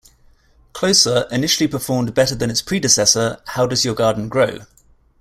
"Closer" initially performed better than its predecessor, "How Does Your Garden Grow?